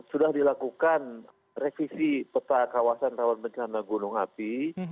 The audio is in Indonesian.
sudah dilakukan revisi peta kawasan rawan bencana gunung api